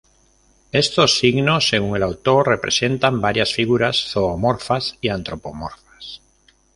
Estos signos según el autor, representan varias figuras zoomorfas y antropomorfas.